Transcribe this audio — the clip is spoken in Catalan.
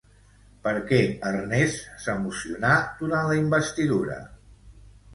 Per què Ernest s'emocionà durant la investidura?